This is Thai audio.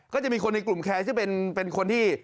ก็จะมีคนในกลุ่มแคร์ซึ่งเป็นคนที่